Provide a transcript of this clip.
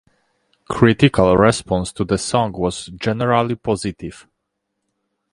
Critical response to the song was generally positive.